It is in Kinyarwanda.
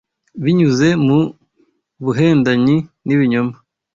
Binyuze mu buhendanyi n’ibinyoma